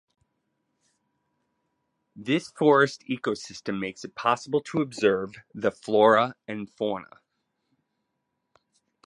This forest ecosystem makes it possible to observe the flora and fauna.